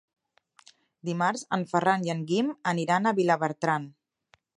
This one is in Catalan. Dimarts en Ferran i en Guim aniran a Vilabertran.